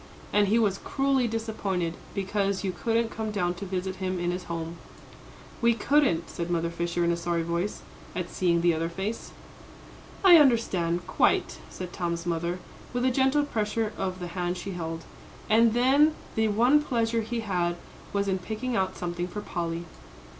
And he was cruelly disappointed because you couldn't come down to visit him in his home." "We couldn't," said Mother Fisher, in a sorry voice, at seeing the other face. "I understand quite," said Tom's mother, with a gentle pressure of the hand she held. "And then the one pleasure he had was in picking out something for Polly."